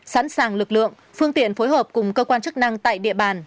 sẵn sàng lực lượng phương tiện phối hợp cùng cơ quan chức năng tại địa bàn